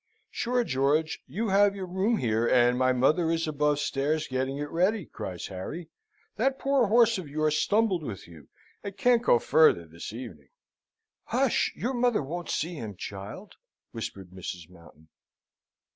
"Sure, George, you have your room here, and my mother is above stairs getting it ready!" cries Harry. "That poor horse of yours stumbled with you, and can't go farther this evening." "Hush! Your mother won't see him, child," whispered Mrs. Mountain.